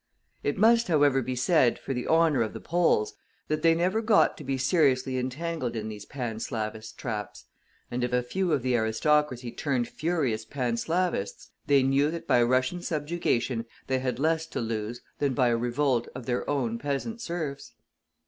It must, however, be said for the honor of the Poles, that they never got to be seriously entangled in these Panslavist traps, and if a few of the aristocracy turned furious Panslavists, they knew that by Russian subjugation they had less to lose than by a revolt of their own peasant serfs.